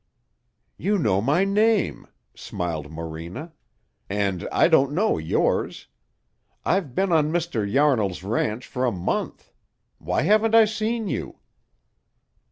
"You know my name," smiled Morena; "and I don't know yours. I've been on Mr. Yarnall's ranch for a month. Why haven't I seen you?"